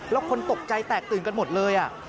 แล้วคนตกใจแตกตื่นกันหมดเลย